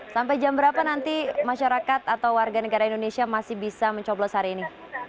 sampai jam berapa nanti masyarakat atau warga negara indonesia masih bisa mencoblos hari ini